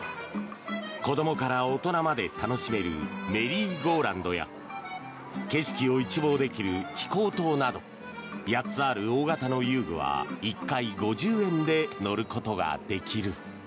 子どもから大人まで楽しめるメリーゴーラウンドや景色を一望できるひこうとうなど８つある大型の遊具は１回５０円で乗ることができる。